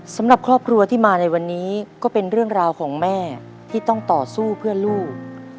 สำหรับครอบครัวที่มาในวันนี้ก็เป็นเรื่องราวของแม่ที่ต้องต่อสู้เพื่อลูก